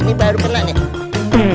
ini baru pernah nih